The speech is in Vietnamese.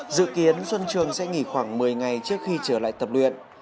xuân trường sẽ nghỉ khoảng một mươi ngày trước khi trở lại tập luyện